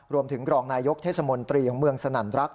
รวมถึงกรองนายยกเทศมนตรีของเมืองสนันต์รักษ์